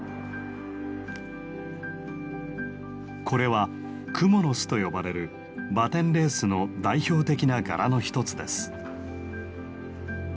これは「蜘蛛の巣」と呼ばれるバテンレースの代表的な柄の一つです。